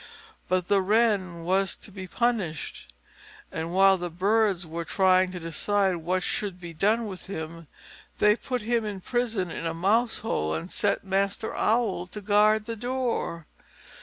But the Wren was to be punished. And while the birds were trying to decide what should be done with him, they put him in prison in a mouse hole and set Master Owl to guard the door.